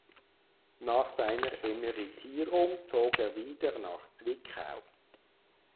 Nach seiner Emeritierung zog er wieder nach Zwickau.